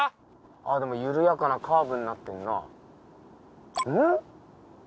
ああでも緩やかなカーブになってんな